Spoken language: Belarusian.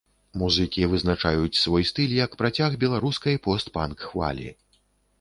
Музыкі вызначаюць свой стыль як працяг беларускай пост-панк-хвалі.